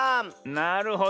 なるほど。